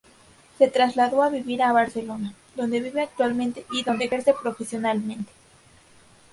Se trasladó a vivir a Barcelona, donde vive actualmente y donde ejerce profesionalmente.